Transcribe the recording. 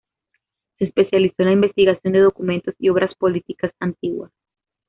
Se especializó en la investigación de documentos y obras políticas antiguas.